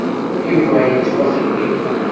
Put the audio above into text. Yuba ad yettwaxeyyeb.